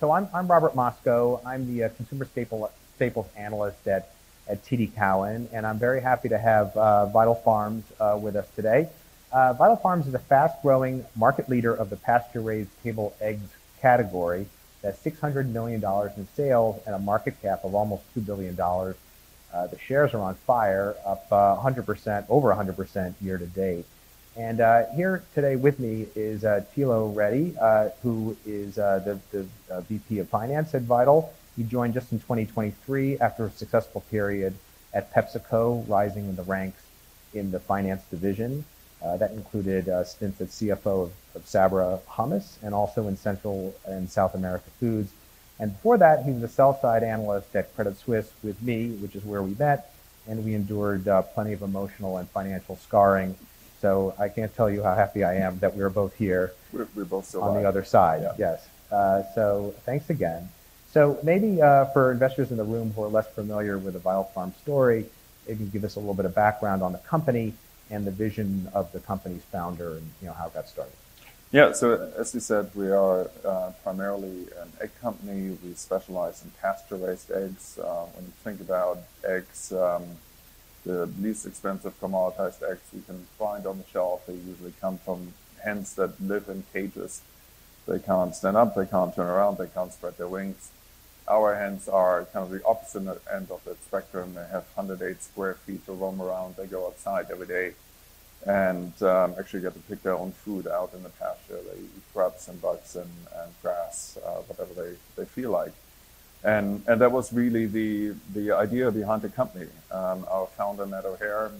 So I'm Robert Moskow. I'm the consumer staples analyst at TD Cowen, and I'm very happy to have Vital Farms with us today. Vital Farms is a fast-growing market leader of the pasture-raised table eggs category, at $600 million in sales and a market cap of almost $2 billion. The shares are on fire, up 100%, over 100% year to date. Here today with me is Thilo Wrede, who is the VP of Finance at Vital. He joined just in 2023 after a successful period at PepsiCo, rising in the ranks in the finance division. That included a stint at CFO of Sabra Hummus and also in Central and South America Foods. Before that, he was a sell-side analyst at Credit Suisse with me, which is where we met, and we endured plenty of emotional and financial scarring. I can't tell you how happy I am that we're both here- We're both still alive. - on the other side. Yeah. Yes. So thanks again. So maybe, for investors in the room who are less familiar with the Vital Farms story, maybe give us a little bit of background on the company and the vision of the company's founder, and, you know, how it got started? Yeah. So as you said, we are primarily an egg company. We specialize in pasture-raised eggs. When you think about eggs, the least expensive commoditized eggs you can find on the shelf, they usually come from hens that live in cages. They can't stand up, they can't turn around, they can't spread their wings. Our hens are kind of the opposite end of that spectrum. They have 108 sq ft to roam around. They go outside every day and actually get to pick their own food out in the pasture. They eat grubs and bugs and grass, whatever they feel like. And that was really the idea behind the company. Our founder, Matt O'Hayer,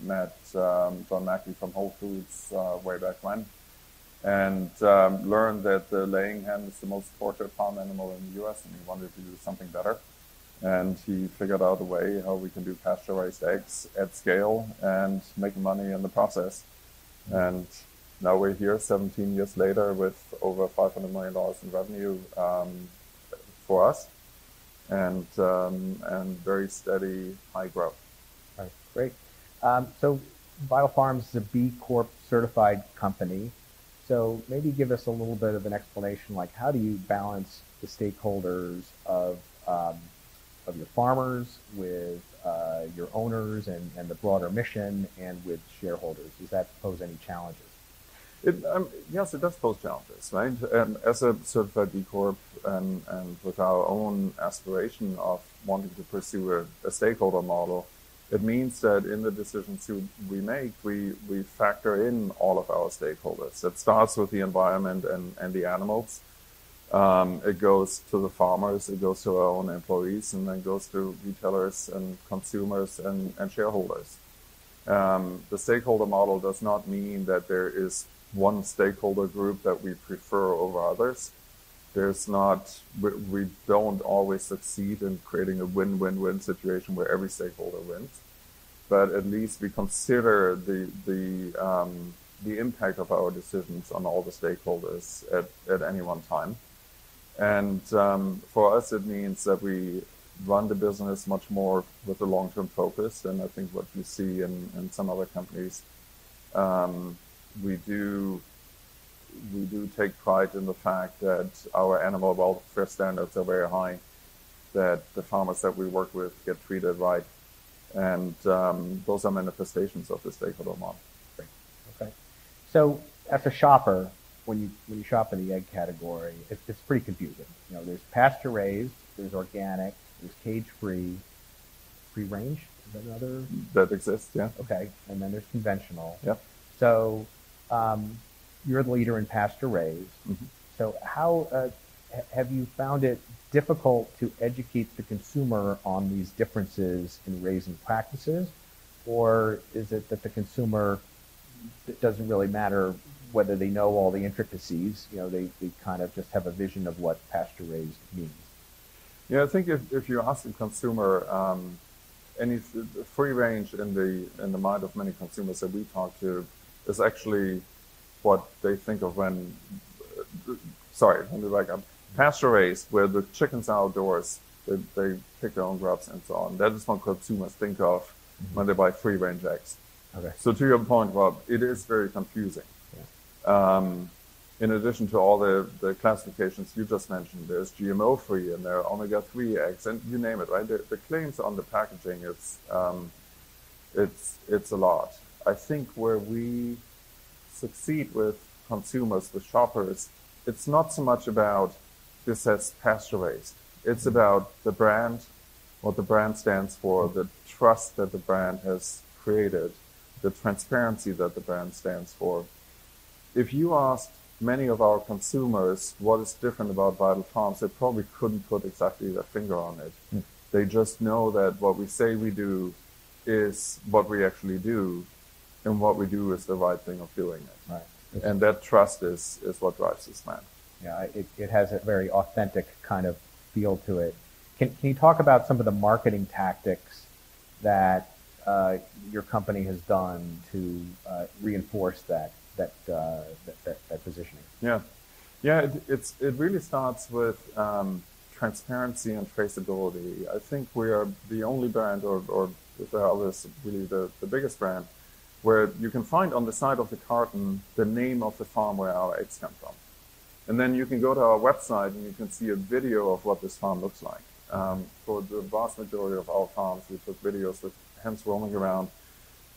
met John Mackey from Whole Foods way back when, and learned that the laying hen is the most tortured farm animal in the U.S., and he wanted to do something better. And he figured out a way how we can do pasture-raised eggs at scale and make money in the process. And now we're here 17 years later, with over $500 million in revenue for us, and very steady high growth. Great. So Vital Farms is a B Corp certified company. So maybe give us a little bit of an explanation, like, how do you balance the stakeholders of your farmers with your owners and the broader mission and with shareholders? Does that pose any challenges? Yes, it does pose challenges, right? As a certified B Corp and with our own aspiration of wanting to pursue a stakeholder model, it means that in the decisions we make, we factor in all of our stakeholders. It starts with the environment and the animals. It goes to the farmers, it goes to our own employees, and then goes to retailers and consumers and shareholders. The stakeholder model does not mean that there is one stakeholder group that we prefer over others. There's not... We don't always succeed in creating a win-win-win situation where every stakeholder wins, but at least we consider the impact of our decisions on all the stakeholders at any one time. For us, it means that we run the business much more with a long-term focus than I think what you see in some other companies. We do take pride in the fact that our animal welfare standards are very high, that the farmers that we work with get treated right, and those are manifestations of the stakeholder model. Great. Okay. So as a shopper, when you, when you shop in the egg category, it's, it's pretty confusing. You know, there's pasture-raised, there's organic, there's cage-free, free-range, is there another? That exists, yeah. Okay. And then there's conventional. Yep. So, you're the leader in pasture-raised. Mm-hmm. So how have you found it difficult to educate the consumer on these differences in raising practices? Or is it that the consumer, it doesn't really matter whether they know all the intricacies, you know, they, they kind of just have a vision of what pasture-raised means? Yeah, I think if, if you ask the consumer, and it's free-range in the, in the mind of many consumers that we talk to, is actually what they think of when... Sorry, when we like, pasture-raised, where the chickens are outdoors, they, they pick their own grubs and so on. That is what consumers think of- Mm-hmm. When they buy free-range eggs. Okay. To your point, Rob, it is very confusing. Yeah. In addition to all the classifications you just mentioned, there's GMO-free, and there are omega-3 eggs, and you name it, right? The claims on the packaging, it's a lot. I think where we succeed with consumers, with shoppers, it's not so much about, "This says pasture-raised." It's about the brand, what the brand stands for, the trust that the brand has created, the transparency that the brand stands for. If you ask many of our consumers what is different about Vital Farms, they probably couldn't put exactly their finger on it. Hmm. They just know that what we say we do is what we actually do, and what we do is the right thing of doing it. Right. That trust is what drives this brand. Yeah, it has a very authentic kind of feel to it. Can you talk about some of the marketing tactics that your company has done to reinforce that positioning? Yeah. Yeah, it really starts with transparency and traceability. I think we are the only brand or if there are others, really the biggest brand where you can find on the side of the carton the name of the farm where our eggs come from. And then you can go to our website, and you can see a video of what this farm looks like. For the vast majority of our farms, we took videos of hens roaming around,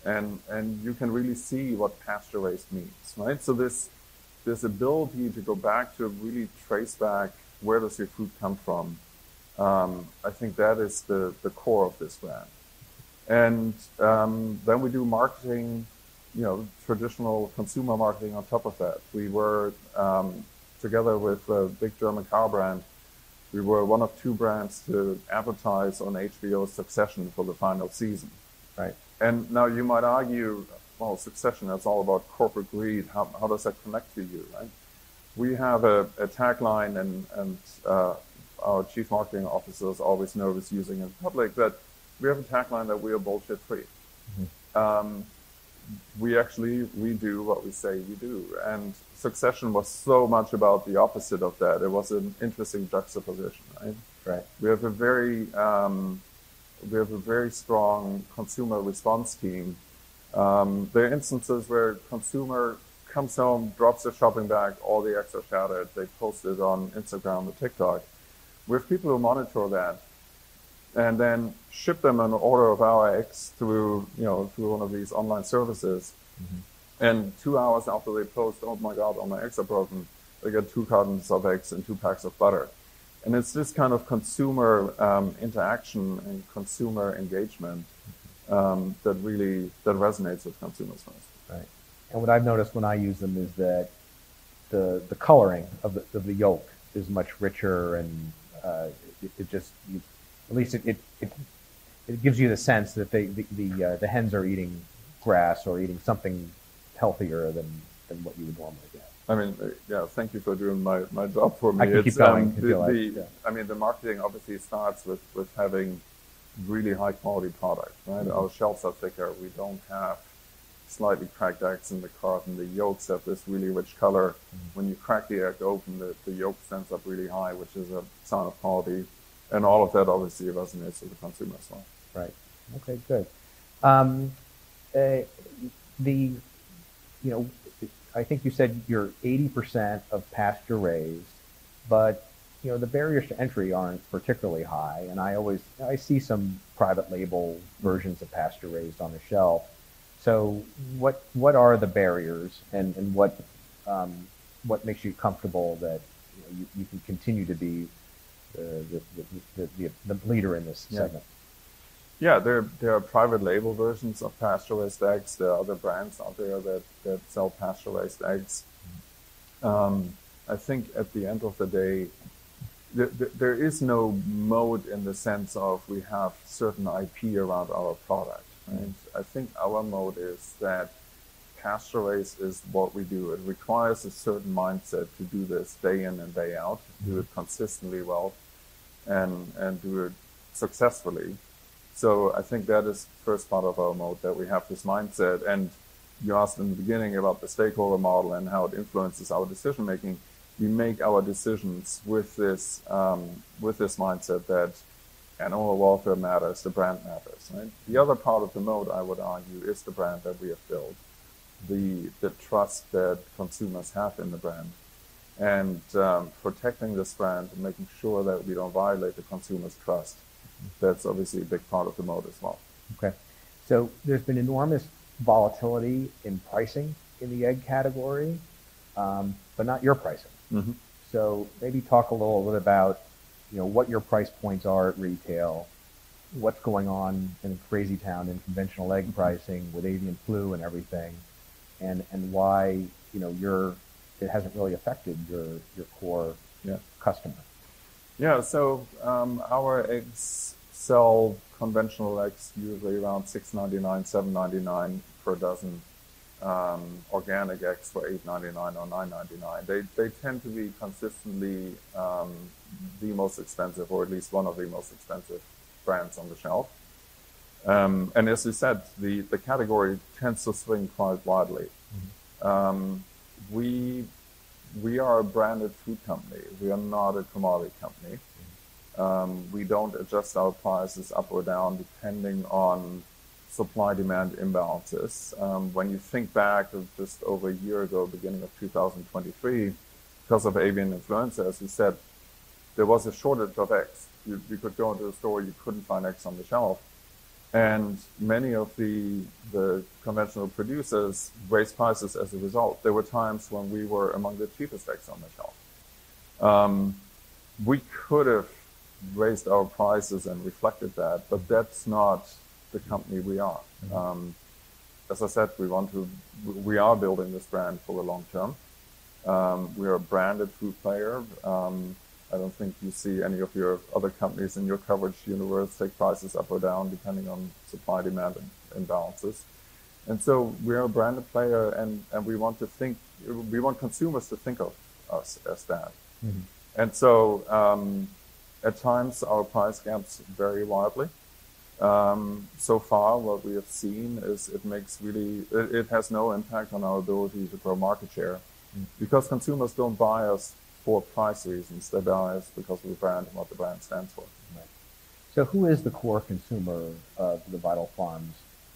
and you can really see what pasture-raised means, right? So this ability to go back, to really trace back where does your food come from. I think that is the core of this brand. And then we do marketing, you know, traditional consumer marketing on top of that. We were together with a big German car brand, we were one of two brands to advertise on HBO's Succession for the final season, right? And now, you might argue, well, Succession, that's all about corporate greed. How does that connect to you, right? We have a tagline, and our Chief Marketing Officer is always nervous using in public, but we have a tagline that we are bullshit-free. Mm-hmm. We actually... We do what we say we do, and Succession was so much about the opposite of that. It was an interesting juxtaposition, right? Right. We have a very strong consumer response team. There are instances where a consumer comes home, drops their shopping bag, all the eggs are shattered. They post it on Instagram or TikTok. We have people who monitor that and then ship them an order of our eggs through, you know, through one of these online services. Mm-hmm. Two hours after they post, "Oh, my God, all my eggs are broken," they get two cartons of eggs and two packs of butter. It's this kind of consumer interaction and consumer engagement that really, that resonates with consumers most. Right. And what I've noticed when I use them is that the coloring of the yolk is much richer and it gives you the sense that the hens are eating grass or eating something healthier than what you would normally get. I mean, yeah, thank you for doing my job for me. I can keep going if you like. The, the- Yeah. I mean, the marketing obviously starts with having really high-quality product, right? Mm-hmm. Our shells are thicker. We don't have slightly cracked eggs in the carton. The yolks have this really rich color. Mm-hmm. When you crack the egg open, the yolk stands up really high, which is a sign of quality, and all of that obviously resonates with the consumer as well. Right. Okay, good. You know, I think you said you're 80% of pasture-raised, but, you know, the barriers to entry aren't particularly high, and I always, I see some private label versions of pasture-raised on the shelf. So what are the barriers, and what makes you comfortable that you can continue to be the leader in this segment? Yeah. Yeah, there are private label versions of pasture-raised eggs. There are other brands out there that sell pasture-raised eggs. I think at the end of the day, there is no moat in the sense of we have certain IP around our product. Right. I think our moat is that pasture-raised is what we do. It requires a certain mindset to do this day in and day out- Mm-hmm... do it consistently well, and do it successfully. So I think that is the first part of our moat, that we have this mindset. And you asked in the beginning about the stakeholder model and how it influences our decision-making. We make our decisions with this, with this mindset that animal welfare matters, the brand matters, right? The other part of the moat, I would argue, is the brand that we have built, the trust that consumers have in the brand, and, protecting this brand and making sure that we don't violate the consumer's trust. Mm-hmm. That's obviously a big part of the moat as well. Okay. So there's been enormous volatility in pricing in the egg category, but not your pricing. Mm-hmm. So maybe talk a little bit about, you know, what your price points are at retail, what's going on in Crazy Town in conventional egg pricing with avian flu and everything, and, and why, you know, you're-- it hasn't really affected your, your core- Yeah... customer. Yeah, so, our eggs sell conventional eggs usually around $6.99, $7.99 per dozen, organic eggs for $8.99 or $9.99. They, they tend to be consistently, the most expensive, or at least one of the most expensive brands on the shelf. As you said, the, the category tends to swing quite widely. Mm-hmm. We are a branded food company. We are not a commodity company. Mm-hmm. We don't adjust our prices up or down depending on supply-demand imbalances. When you think back just over a year ago, beginning of 2023, because of avian influenza, as you said, there was a shortage of eggs. You could go into a store, you couldn't find eggs on the shelf, and many of the conventional producers raised prices as a result. There were times when we were among the cheapest eggs on the shelf. We could have raised our prices and reflected that, but that's not the company we are. Mm-hmm. As I said, we want to... we are building this brand for the long term. We are a branded food player. I don't think you see any of your other companies in your coverage universe take prices up or down, depending on supply-demand imbalances. And so we are a branded player, and we want to think, we want consumers to think of us as that. Mm-hmm. At times, our price gaps vary widely. So far, what we have seen is it makes really... It, it has no impact on our ability to grow market share- Mm... because consumers don't buy us for price reasons. They buy us because of the brand and what the brand stands for.... So who is the core consumer of the Vital Farms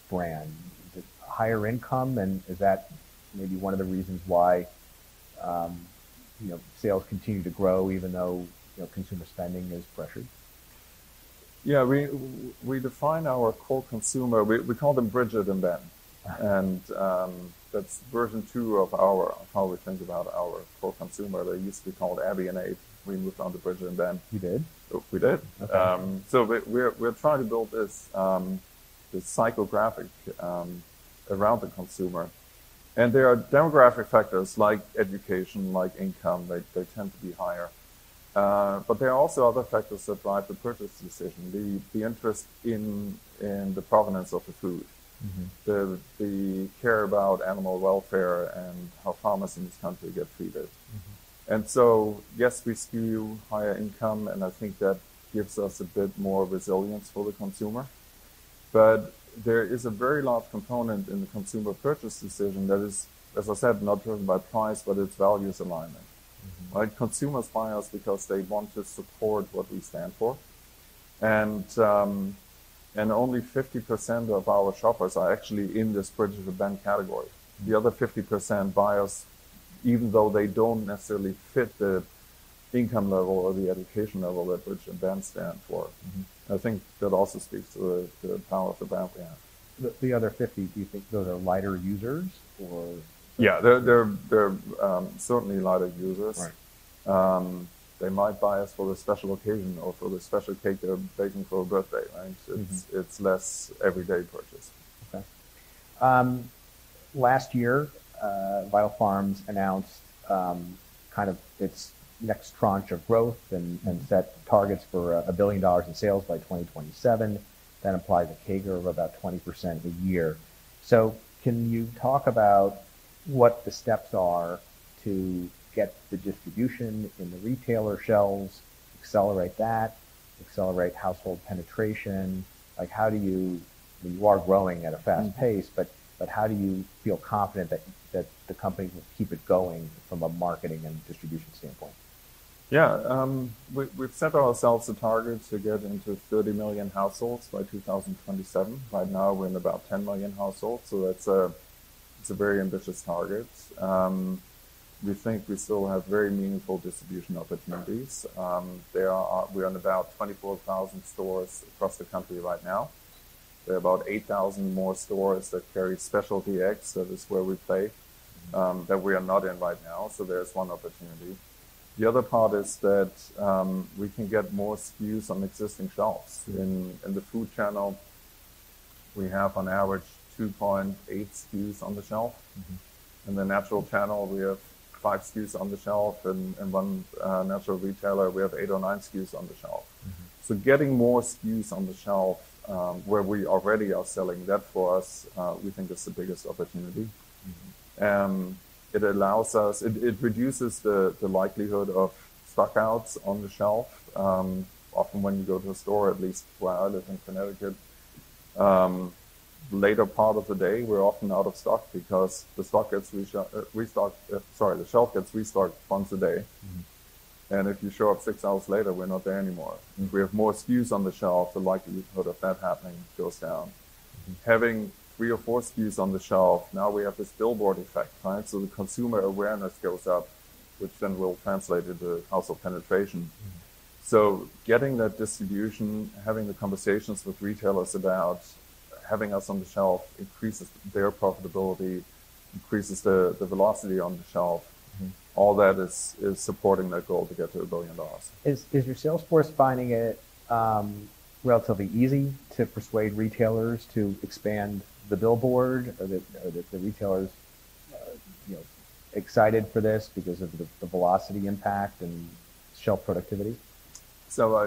brand? Is it higher income, and is that maybe one of the reasons why, you know, sales continue to grow even though, you know, consumer spending is pressured? Yeah, we define our core consumer, we call them Bridget and Ben. Right. That's version two of how we think about our core consumer. They used to be called Abby and Abe. We moved on to Bridget and Ben. You did? We did. Okay. So we're trying to build this psychographic around the consumer. There are demographic factors like education, like income. They tend to be higher. But there are also other factors that drive the purchase decision, the interest in the provenance of the food- Mm-hmm... the care about animal welfare and how farmers in this country get treated. Mm-hmm. Yes, we skew higher income, and I think that gives us a bit more resilience for the consumer. But there is a very large component in the consumer purchase decision that is, as I said, not driven by price, but it's values alignment. Mm-hmm. Right? Consumers buy us because they want to support what we stand for, and only 50% of our shoppers are actually in this Bridget and Ben category. The other 50% buy us, even though they don't necessarily fit the income level or the education level that Bridget and Ben stand for. Mm-hmm. I think that also speaks to the power of the brand. The other 50, do you think those are lighter users or- Yeah. They're certainly lighter users. Right. They might buy us for a special occasion or for the special cake they're baking for a birthday, right? Mm-hmm. It's less everyday purchase. Okay. Last year, Vital Farms announced kind of its next tranche of growth and- Mm-hmm... and set targets for $1 billion in sales by 2027. That implies a CAGR of about 20% a year. So can you talk about what the steps are to get the distribution in the retailer shelves, accelerate that, accelerate household penetration? Like, how do you... You are growing at a fast pace- Mm-hmm... but how do you feel confident that the company will keep it going from a marketing and distribution standpoint? Yeah. We've set ourselves a target to get into 30 million households by 2027. Right now, we're in about 10 million households, so that's, it's a very ambitious target. We think we still have very meaningful distribution opportunities. Right. We're in about 24,000 stores across the country right now. There are about 8,000 more stores that carry specialty eggs, that is where we play- Mm-hmm... that we are not in right now. So there's one opportunity. The other part is that, we can get more SKUs on existing shelves. Mm-hmm. In the food channel, we have on average 2.8 SKUs on the shelf. Mm-hmm. In the natural channel, we have 5 SKUs on the shelf, and in one natural retailer, we have 8 or 9 SKUs on the shelf. Mm-hmm. Getting more SKUs on the shelf, where we already are selling, that for us, we think is the biggest opportunity. Mm-hmm. It allows us. It reduces the likelihood of stockouts on the shelf. Often when you go to a store, at least where I live in Connecticut, later part of the day, we're often out of stock because sorry, the shelf gets restocked once a day. Mm-hmm. If you show up six hours later, we're not there anymore. Mm-hmm. If we have more SKUs on the shelf, the likelihood of that happening goes down. Mm-hmm. Having three or four SKUs on the shelf, now we have this billboard effect, right? So the consumer awareness goes up, which then will translate into household penetration. Mm-hmm. Getting that distribution, having the conversations with retailers about having us on the shelf, increases their profitability, increases the velocity on the shelf. Mm-hmm. All that is, is supporting that goal to get to $1 billion. Is your sales force finding it relatively easy to persuade retailers to expand the billboard or that the retailers are, you know, excited for this because of the velocity impact and shelf productivity? So,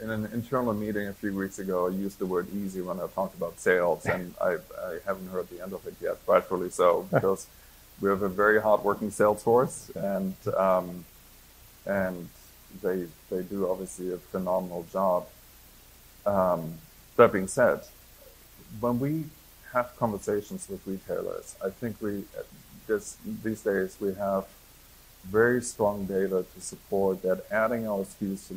in an internal meeting a few weeks ago, I used the word easy when I talked about sales- Yeah... and I haven't heard the end of it yet, rightfully so. Because we have a very hardworking sales force, and, and they, they do obviously a phenomenal job. That being said, when we have conversations with retailers, I think we, just these days, we have very strong data to support that adding our SKUs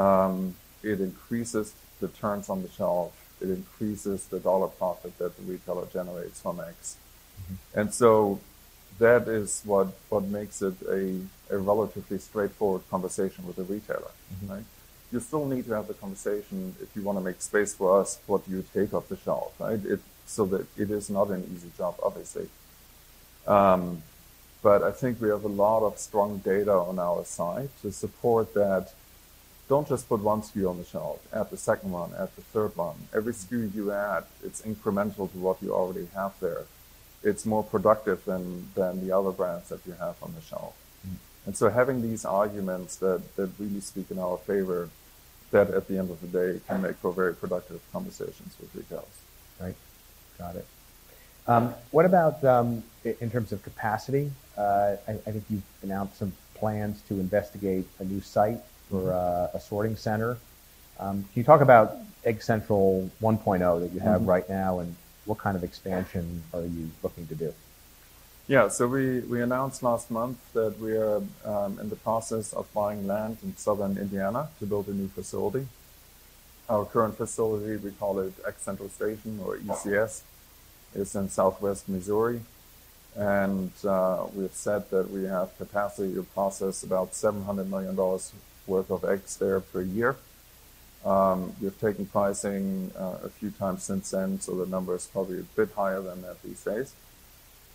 to the shelf, it increases the turns on the shelf, it increases the dollar profit that the retailer generates on eggs. Mm-hmm. And so that is what makes it a relatively straightforward conversation with the retailer. Mm-hmm. Right? You still need to have the conversation if you wanna make space for us, what do you take off the shelf, right? So that it is not an easy job, obviously. But I think we have a lot of strong data on our side to support that, "Don't just put one SKU on the shelf, add the second one, add the third one." Every SKU you add, it's incremental to what you already have there. It's more productive than the other brands that you have on the shelf. Mm-hmm. So having these arguments that really speak in our favor, that at the end of the day- Right... can make for very productive conversations with retailers. Right. Got it. What about, in terms of capacity? I think you've announced some plans to investigate a new site- Mm-hmm... for a sorting center. Can you talk about Egg Central 1.0 that you have- Mm-hmm... right now, and what kind of expansion are you looking to do?... Yeah, so we, we announced last month that we are in the process of buying land in Southern Indiana to build a new facility. Our current facility, we call it Egg Central Station, or ECS, is in Southwest Missouri. And we have said that we have capacity to process about $700 million worth of eggs there per year. We've taken pricing a few times since then, so the number is probably a bit higher than that these days.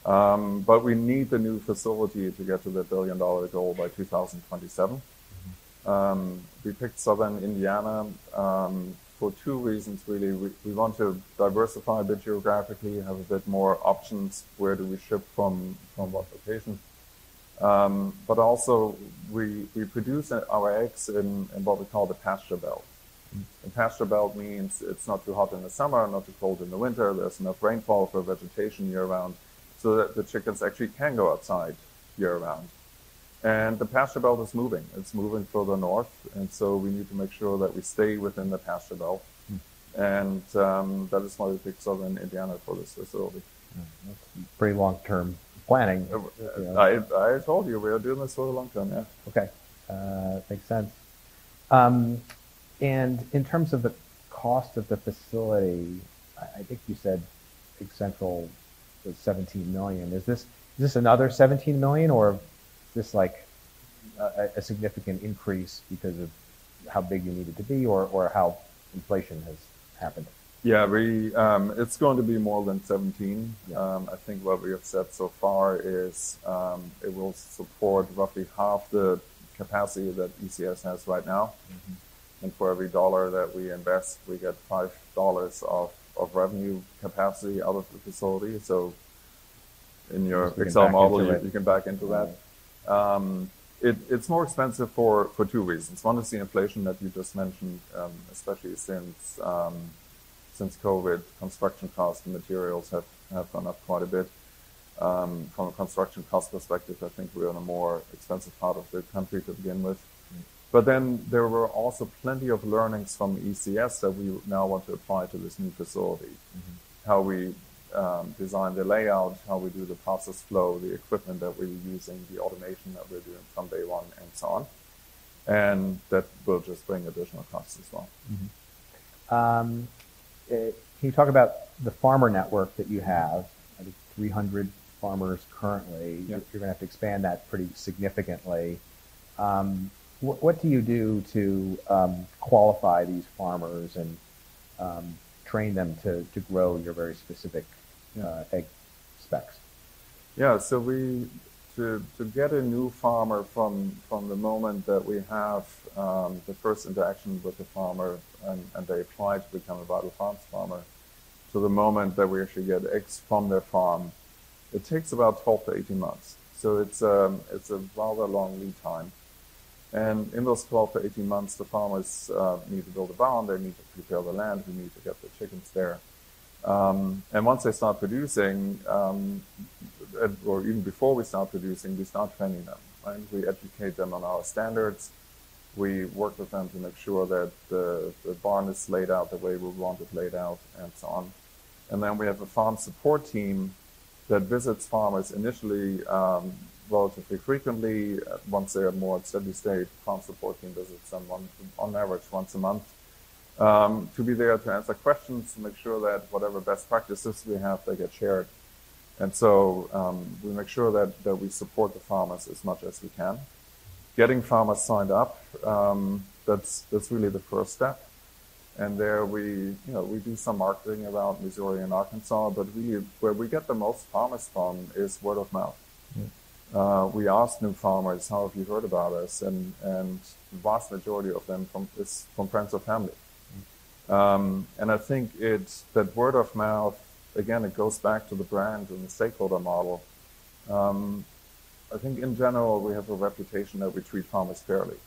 But we need the new facility to get to the billion-dollar goal by 2027. We picked Southern Indiana for two reasons, really. We, we want to diversify a bit geographically and have a bit more options. Where do we ship from, from what locations? But also, we produce our eggs in what we call the Pasture Belt. Pasture Belt means it's not too hot in the summer, not too cold in the winter. There's enough rainfall for vegetation year-round, so that the chickens actually can go outside year-round. The Pasture Belt is moving. It's moving further north, and so we need to make sure that we stay within the Pasture Belt. Mm-hmm. That is why we picked Southern Indiana for this facility. Mm. That's pretty long-term planning. I told you, we are doing this for the long term. Yeah. Okay. Makes sense. And in terms of the cost of the facility, I think you said Egg Central was $17 million. Is this another $17 million, or is this like a significant increase because of how big you need it to be or how inflation has happened? Yeah. We... It's going to be more than 17. Yeah. I think what we have said so far is, it will support roughly half the capacity that ECS has right now. Mm-hmm. And for every $1 that we invest, we get $5 of revenue capacity out of the facility. So in your Excel model- You can back into that. You can back into that. Mm-hmm. It's more expensive for two reasons. One is the inflation that you just mentioned, especially since COVID. Construction costs and materials have gone up quite a bit. From a construction cost perspective, I think we're in a more expensive part of the country to begin with. Mm. But then, there were also plenty of learnings from ECS that we now want to apply to this new facility. Mm-hmm. How we design the layout, how we do the process flow, the equipment that we'll be using, the automation that we're doing from day one, and so on, and that will just bring additional costs as well. Mm-hmm. Can you talk about the farmer network that you have? I think 300 farmers currently. Yep. You're gonna have to expand that pretty significantly. What do you do to qualify these farmers and train them to grow your very specific egg specs? Yeah. So we... To get a new farmer from the moment that we have the first interaction with the farmer and they apply to become a Vital Farms farmer to the moment that we actually get eggs from their farm, it takes about 12-18 months. So it's a rather long lead time. And in those 12-18 months, the farmers need to build a barn. They need to prepare the land. We need to get the chickens there. And once they start producing, or even before we start producing, we start training them, right? We educate them on our standards. We work with them to make sure that the barn is laid out the way we want it laid out, and so on. We have a farm support team that visits farmers initially, relatively frequently. Once they are more at steady state, the farm support team visits them on average, once a month, to be there to answer questions, to make sure that whatever best practices we have, they get shared. And so, we make sure that we support the farmers as much as we can. Getting farmers signed up, that's really the first step. And there, you know, we do some marketing around Missouri and Arkansas, but where we get the most farmers from is word of mouth. Mm. We ask new farmers, "How have you heard about us?" And the vast majority of them, it's from friends or family. Mm. And I think it's that word of mouth, again, it goes back to the brand and the stakeholder model. I think, in general, we have a reputation that we treat farmers fairly,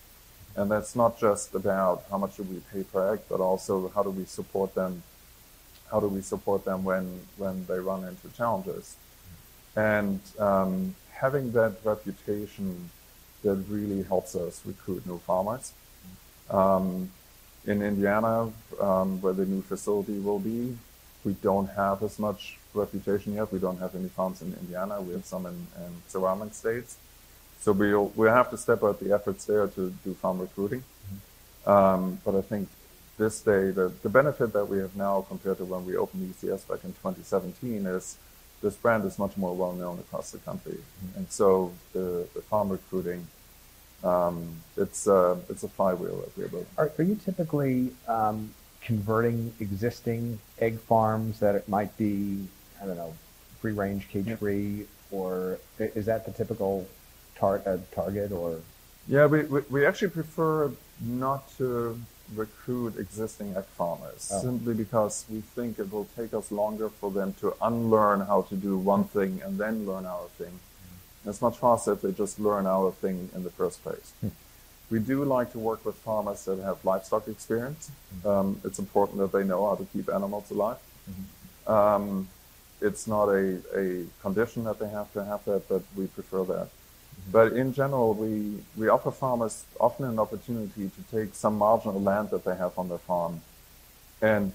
and that's not just about how much do we pay per egg, but also, how do we support them? How do we support them when they run into challenges? Mm. Having that reputation, that really helps us recruit new farmers. In Indiana, where the new facility will be, we don't have as much reputation yet. We don't have any farms in Indiana. Mm. We have some in surrounding states, so we'll have to step up the efforts there to do farm recruiting. Mm-hmm. But I think this day, the benefit that we have now, compared to when we opened ECS back in 2017, is this brand is much more well-known across the country. Mm. And so the farm recruiting, it's a flywheel that we are building. Are you typically converting existing egg farms that it might be, I don't know, free-range, cage-free- Yep... or is that the typical target or? Yeah, we actually prefer not to recruit existing egg farmers- Oh... simply because we think it will take us longer for them to unlearn how to do one thing and then learn our thing. Mm. It's much faster if they just learn our thing in the first place. Mm. We do like to work with farmers that have livestock experience. Mm. It's important that they know how to keep animals alive. Mm-hmm. It's not a condition that they have to have that, but we prefer that. Mm. But in general, we offer farmers often an opportunity to take some marginal land that they have on their farm and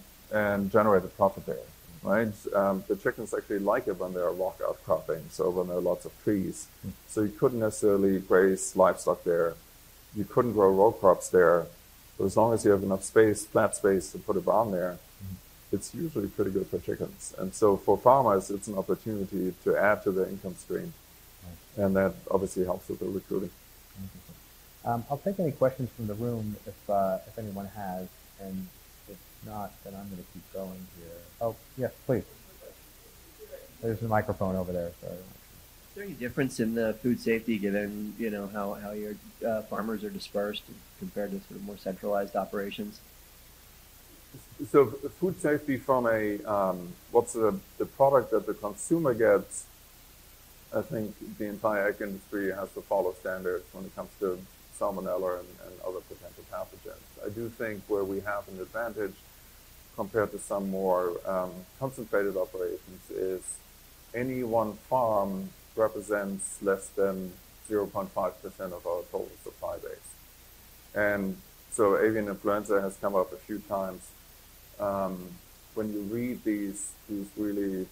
generate a profit there, right? The chickens actually like it when there are walnut cropping, so when there are lots of trees. Mm. You couldn't necessarily raise livestock there. You couldn't grow row crops there, but as long as you have enough space, flat space, to put a barn there- Mm. It's usually pretty good for chickens. And so for farmers, it's an opportunity to add to their income stream. Right. That obviously helps with the recruiting. Interesting. I'll take any questions from the room if, if anyone has, and if not, then I'm gonna keep going here. Oh, yes, please. There's a microphone over there, so. Is there any difference in the food safety, given, you know, how your farmers are dispersed compared to sort of more centralized operations? So food safety from a... What's the product that the consumer gets, I think the entire egg industry has to follow standards when it comes to Salmonella and other potential pathogens. I do think where we have an advantage compared to some more concentrated operations is any one farm represents less than 0.5% of our total supply base. And so Avian Influenza has come up a few times. When you read these really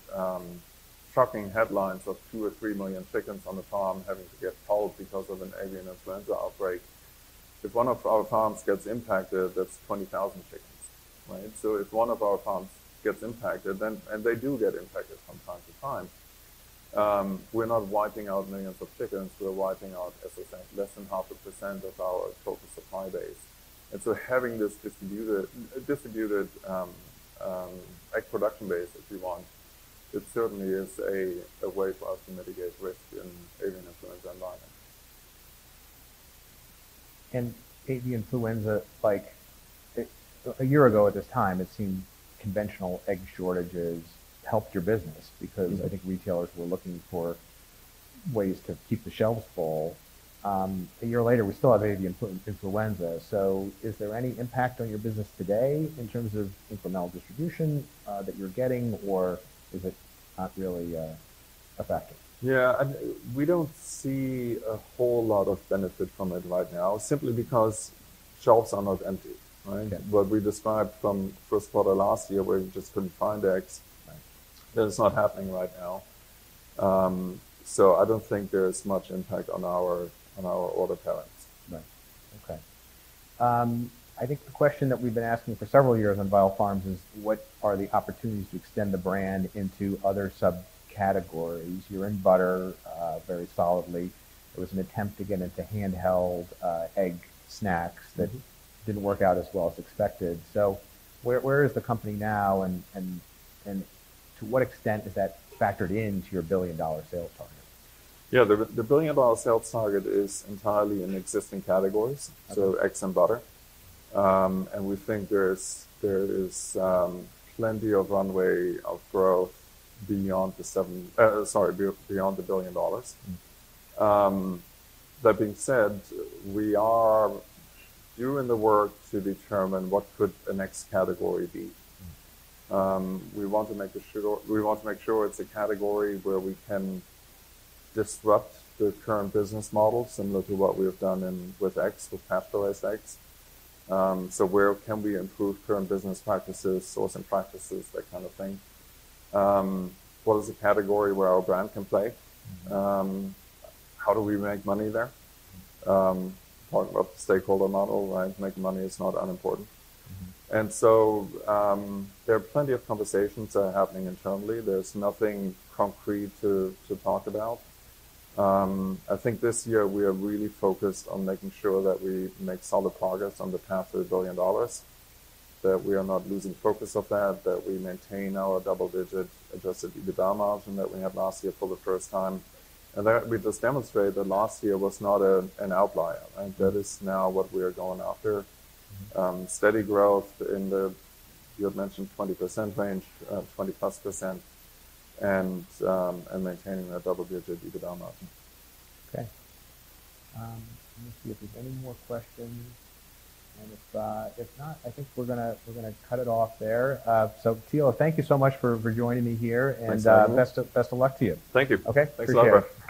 shocking headlines of 2 or 3 million chickens on a farm having to get culled because of an Avian Influenza outbreak, if one of our farms gets impacted, that's 20,000 chickens, right? So if one of our farms gets impacted, then and they do get impacted from time to time, we're not wiping out millions of chickens. We're wiping out, as I said, less than 0.5% of our total supply base. And so having this distributed egg production base, if you want, it certainly is a way for us to mitigate risk in Avian Influenza environments. Avian influenza, like, a year ago at this time, it seemed conventional egg shortages helped your business- Mm-hmm. - because I think retailers were looking for ways to keep the shelves full. A year later, we still have avian influenza. So is there any impact on your business today in terms of incremental distribution that you're getting, or is it not really affecting? Yeah, we don't see a whole lot of benefit from it right now, simply because shelves are not empty. Right? Yeah. What we described from first quarter last year, where you just couldn't find eggs- Right... that is not happening right now. So I don't think there is much impact on our order patterns. Right. Okay. I think the question that we've been asking for several years on Vital Farms is: What are the opportunities to extend the brand into other subcategories? You're in butter, very solidly. There was an attempt to get into handheld, egg snacks- Mm-hmm... that didn't work out as well as expected. So where is the company now, and to what extent is that factored into your billion-dollar sales target? Yeah, the billion-dollar sales target is entirely in existing categories- Okay... so eggs and butter. And we think there's plenty of runway of growth beyond the $7 billion. Mm. That being said, we are doing the work to determine what could a next category be. Mm. We want to make sure, we want to make sure it's a category where we can disrupt the current business model, similar to what we have done with X, with capitalized eggs. So where can we improve current business practices, sourcing practices, that kind of thing? What is a category where our brand can play? Mm. How do we make money there? Talking about the stakeholder model, right? Making money is not unimportant. Mm-hmm. There are plenty of conversations that are happening internally. There's nothing concrete to talk about. I think this year, we are really focused on making sure that we make solid progress on the path to $1 billion, that we are not losing focus of that, that we maintain our double-digit Adjusted EBITDA margin that we had last year for the first time, and that we just demonstrate that last year was not an outlier. Right? Mm. That is now what we are going after. Mm-hmm. Steady growth in the, you had mentioned, 20% range, 20+%, and maintaining that double-digit EBITDA margin. Okay. Let me see if there's any more questions, and if not, I think we're gonna cut it off there. So Thilo, thank you so much for joining me here- Thanks, again.... and best of, best of luck to you. Thank you. Okay? Thanks a lot.